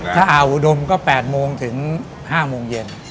ถ้าอ่าวอุดมก็๘โมงถึง๕โมงเย็น